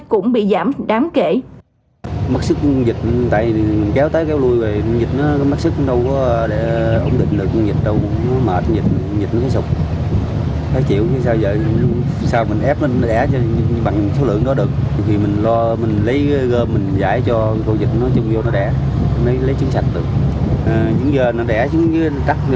cũng bị giảm đáng kể